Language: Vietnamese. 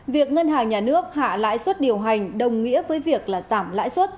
việc ngân hàng nhà nước hạ lãi suất điều hành đồng nghĩa với việc là giảm lãi suất